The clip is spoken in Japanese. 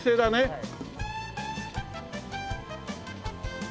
はい。